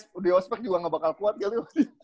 gue di ospek juga gak bakal kuat kali